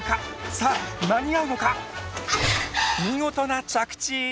さあ間に合うのか⁉見事な着地！